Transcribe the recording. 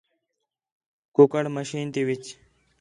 کُکڑ مشین تی وِچ